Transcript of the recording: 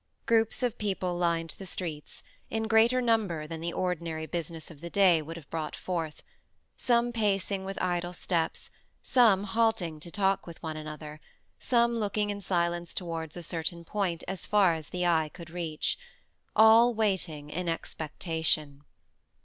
Groups of people lined the streets, in greater number than the ordinary business of the day would have brought forth; some pacing with idle steps, some halting to talk with one another, some looking in silence towards a certain point, as far as the eye could reach; all waiting in expectation.